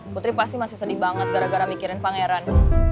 putri pasti masih sedih banget gara gara mikirin pangeran